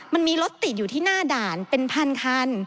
มันมีรถติดอยู่ที่หน้าด่านเป็นพันคัน